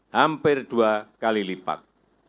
hampir dua kali lipat